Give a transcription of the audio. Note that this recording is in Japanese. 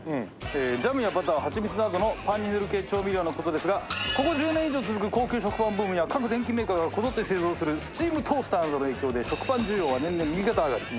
ジャムやバターハチミツなどのパンに塗る系調味料の事ですがここ１０年以上続く高級食パンブームや各電機メーカーがこぞって製造するスチームトースターなどの影響で食パン需要は年々右肩上がり。